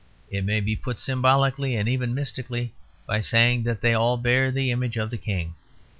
It may be put symbolically, and even mystically, by saying that they all bear the image of the King.